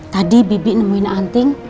tadi bibi nemuin anting